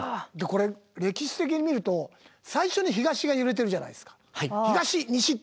これ歴史的に見ると最初に東が揺れてるじゃないですか。